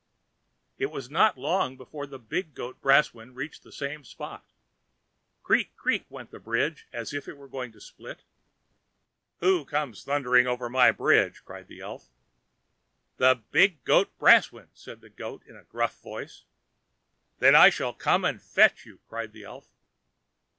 It was not long before the big goat Brausewind reached the same spot. "CREAK, CREAK!" went the bridge, as if it were going to split. "Who comes thundering over my bridge?" cried the elf. "The big goat Brausewind," said the goat in a gruff voice. "Then I shall come and fetch you," cried the elf.